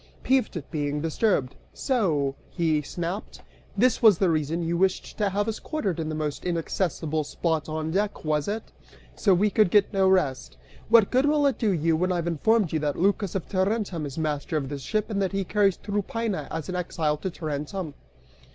Peeved at being disturbed, "So," he snapped, "this was the reason you wished to have us quartered in the most inaccessible spot on deck, was it? So we could get no rest! What good will it do you when I've informed you that Lycas of Tarentum is master of this ship and that he carries Tryphaena as an exile to Tarentum?"